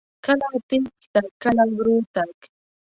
کله تیز تګ، کله ورو تګ.